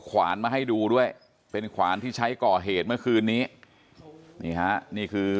ขวานมาให้ดูด้วยเป็นขวานที่ใช้ก่อเหตุเมื่อคืนนี้นี่ฮะนี่คือ